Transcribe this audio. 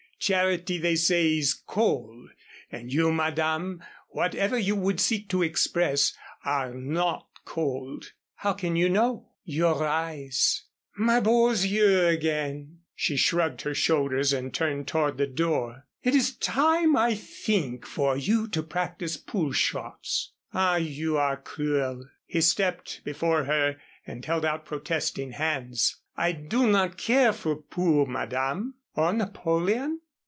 Charity they say is cold. And you, Madame, whatever you would seek to express, are not cold." "How can you know?" "Your eyes " "My beaux yeux again." She shrugged her shoulders, and turned toward the door. "It is time, I think, for you to practice pool shots." "Ah, you are cruel!" He stepped before her and held out protesting hands. "I do not care for pool, Madame." "Or Napoleon?"